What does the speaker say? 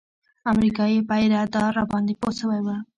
امريکايي پيره دار راباندې پوه سوى و.